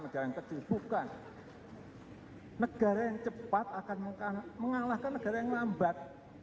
negara yang kecil bukan negara yang cepat akan mengalahkan negara yang lambat